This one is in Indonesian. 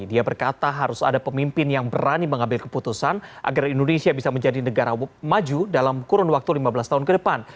dia berkata harus ada pemimpin yang berani mengambil keputusan agar indonesia bisa menjadi negara maju dalam kurun waktu lima belas tahun ke depan